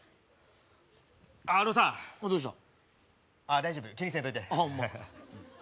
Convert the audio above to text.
大丈夫気にせんといてホンマ